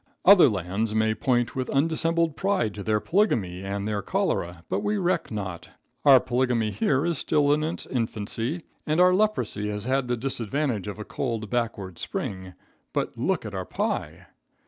Other lands may point with undissembled pride to their polygamy and their cholera, but we reck not. Our polygamy here is still in its infancy and our leprosy has had the disadvantage of a cold, backward spring, but look at our pie.